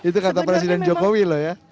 itu kata presiden jokowi loh ya